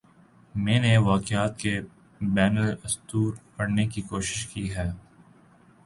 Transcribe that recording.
میں نے واقعات کے بین السطور پڑھنے کی کوشش کی ہے۔